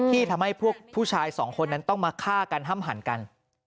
ที่ทำให้พวกผู้ชายสองคนนั้นต้องมาฆ่ากันห้ำหันกัน